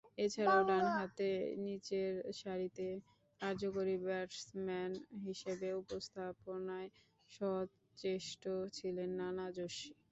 এছাড়াও, ডানহাতে নিচেরসারিতে কার্যকরী ব্যাটসম্যান হিসেবে উপস্থাপনায় সচেষ্ট ছিলেন নানা জোশী।